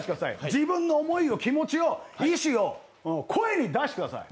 自分の思いを、気持ちを意思を、声に出してください。